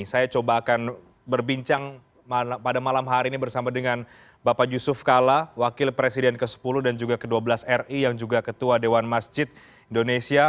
saya coba akan berbincang pada malam hari ini bersama dengan bapak yusuf kala wakil presiden ke sepuluh dan juga ke dua belas ri yang juga ketua dewan masjid indonesia